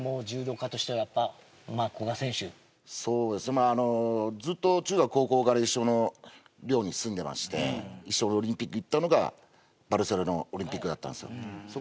まああのずっと中学高校から一緒の寮に住んでまして一緒にオリンピック行ったのがバルセロナオリンピックだったんですよ。